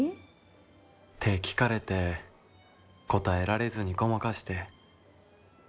「って聞かれて答えられずにごまかして。